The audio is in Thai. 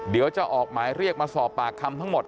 เดี๋ยวจะออกหมายเรียกมาสอบปากคำทั้งหมด